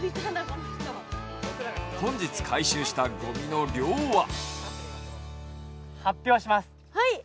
本日回収したごみの量は？